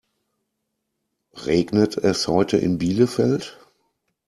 Regnet es heute in Bielefeld?